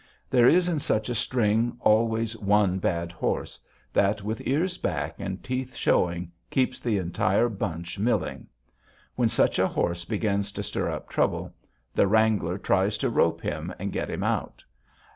There is in such a string always one bad horse that, with ears back and teeth showing, keeps the entire bunch milling. When such a horse begins to stir up trouble, the wrangler tries to rope him and get him out.